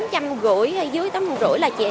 tám trăm năm mươi hay dưới tám trăm năm mươi